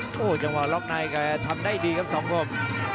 โอ้โหจังหวะล็อกในแกทำได้ดีครับสองคม